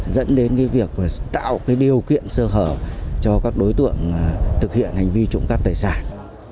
dẫn đến việc tạo điều kiện sơ hở cho các đối tượng thực hiện hành vi trộm cắp tài sản